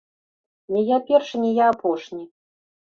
Не я першы, не я апошні.